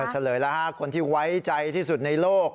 เฉลยแล้วคนที่ไว้ใจที่สุดในโลก